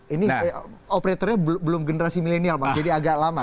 ini operatornya belum generasi milenial mas jadi agak lama